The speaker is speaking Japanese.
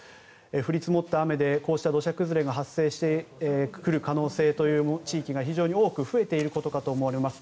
降り積もった雨でこうした土砂崩れが発生する可能性がある地域が十分に増えてくるかと思います。